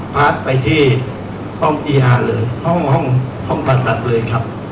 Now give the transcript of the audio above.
ภาษฐ์ไปที่ห้องอีฮาหรือห้องบัตรดเลยครับ